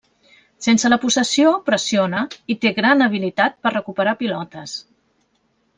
Sense la possessió, pressiona, i té gran habilitat per recuperar pilotes.